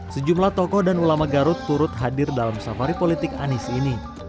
sejumlah tokoh dan ulama garut turut hadir dalam safari politik anies ini